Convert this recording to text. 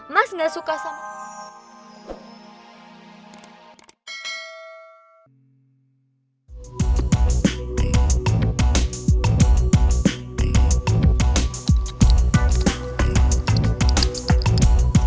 mas gak suka sama